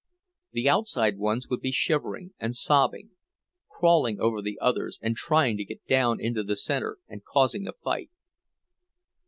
The outside ones would be shivering and sobbing, crawling over the others and trying to get down into the center, and causing a fight.